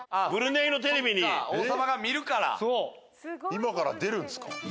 今から出るんですか？